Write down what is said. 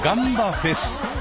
フェス！